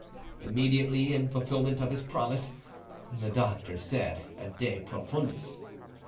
Immediately, in fulfilment of his promise, the doctor said a De Profundis.